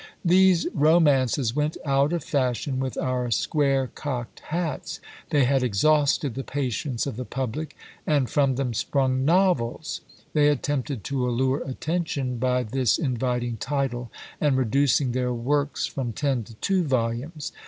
These romances went out of fashion with our square cocked hats: they had exhausted the patience of the public, and from them sprung NOVELS. They attempted to allure attention by this inviting title, and reducing their works from ten to two volumes.